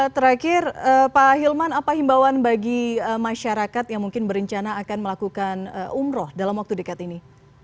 terakhir pak hilman apa himbauan bagi masyarakat yang mungkin berencana akan melakukan umroh dalam waktu dekat ini